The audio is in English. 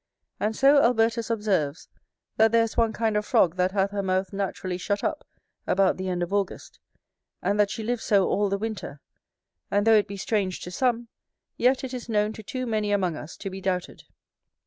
And so Albertus observes, that there is one kind of frog that hath her mouth naturally shut up about the end of August, and that she lives so all the winter: and though it be strange to some, yet it is known to too many among us to be doubted.